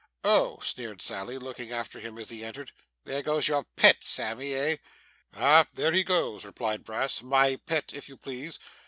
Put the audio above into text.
'Oh!' sneered Sally, looking after him as she entered. 'There goes your pet, Sammy, eh?' 'Ah! There he goes,' replied Brass. 'My pet, if you please.